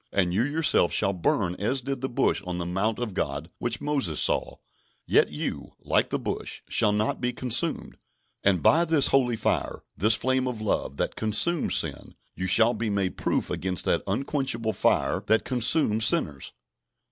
And you yourself shall burn as did the bush on the mount of God which Moses saw; yet you, like the bush, shall not be consumed; and by this holy fire, this flame of love, that consumes sin, you shall be made proof against that unquenchable fire that consumes sinners.